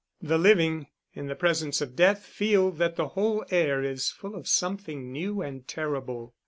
The living, in the presence of death, feel that the whole air is full of something new and terrible.